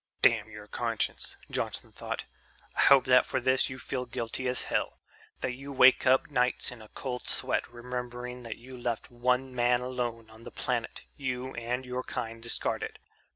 "Damn your conscience," Johnson thought. "I hope that for this you feel guilty as hell, that you wake up nights in a cold sweat remembering that you left one man alone on the planet you and your kind discarded.